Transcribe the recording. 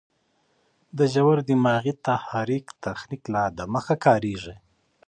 د ژور دماغي تحريک تخنیک لا دمخه کارېږي.